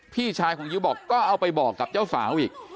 พี่ชายของยิ้วบอกก็เอาไปบอกกับเจ้าสาวอีก